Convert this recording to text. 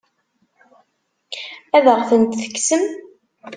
Ad aɣ-tent-tekksem?